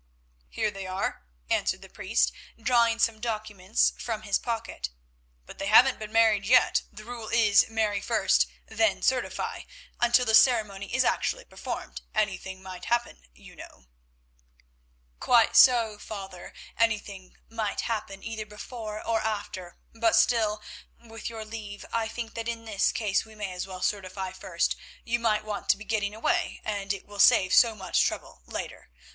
"Here they are," answered the priest, drawing some documents from his pocket. "But they haven't been married yet; the rule is, marry first, then certify. Until the ceremony is actually performed, anything might happen, you know." "Quite so, Father. Anything might happen either before or after; but still, with your leave, I think that in this case we may as well certify first; you might want to be getting away, and it will save so much trouble later.